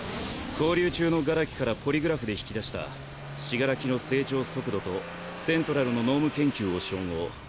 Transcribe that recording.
拘留中の殻木からポリグラフで引き出した死柄木の成長速度とセントラルの脳無研究を照合。